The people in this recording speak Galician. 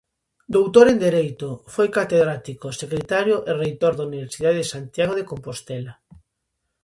Doutor en Dereito, foi catedrático, secretario e reitor da Universidade de Santiago de Compostela.